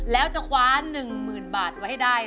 แล้วจะขวา๑๐๐๐๐บาทไว้ได้